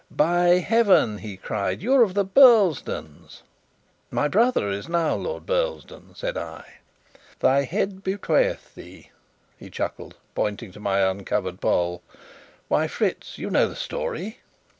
"By Heaven!" he cried, "you're of the Burlesdons?" "My brother is now Lord Burlesdon," said I. "Thy head betrayeth thee," he chuckled, pointing to my uncovered poll. "Why, Fritz, you know the story?"